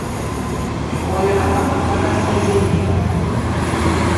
Oyo aba mutaka Ssezinnyo.